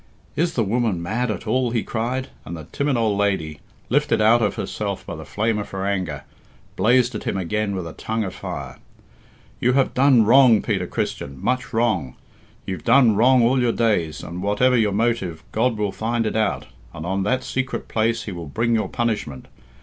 "Is the woman mad at all?" he cried; and the timid old lady, lifted out of herself by the flame of her anger, blazed at him again with a tongue of fire. "You have done wrong, Peter Christian, much wrong; you've done wrong all your days, and whatever your motive, God will find it out, and on that secret place he will bring your punishment.